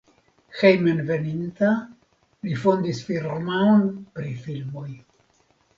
Hejmenveninta li fondis firmaon pri filmoj.